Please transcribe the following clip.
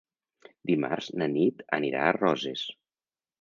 Dimarts na Nit anirà a Roses.